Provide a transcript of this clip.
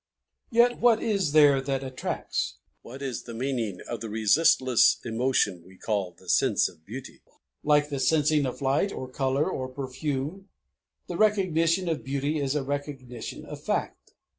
Yet what is it that attracts? what is the meaning of the resistless emotion which we call the Sense of Beauty? Like the sensing of light or color or perfume, the recognition of beauty is a recognition of fact.